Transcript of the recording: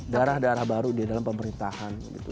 darah darah baru di dalam pemerintahan gitu